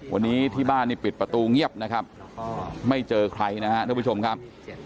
วันนี้ที่บ้านนี่ปิดประตูเงียบนะครับไม่เจอใครนะครับทุกผู้ชมครับ